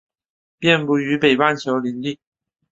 遍布于北半球林地。